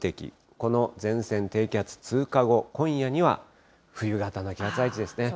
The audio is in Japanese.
この前線、低気圧通過後、今夜には冬型の気圧配置ですね。